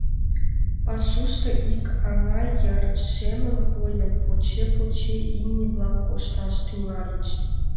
Пасушто ик аҥа йыр, шемын койын, поче-поче имне-влак кошташ тӱҥальыч.